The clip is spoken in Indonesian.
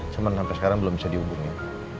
cuman sampe sekarang belum bisa dihubungin